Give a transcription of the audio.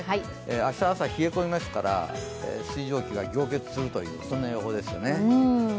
明日朝、冷え込みますから、水蒸気が凝結するという、そんな予報ですよね。